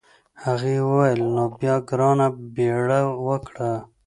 هغې وویل نو بیا ګرانه بیړه وکړه.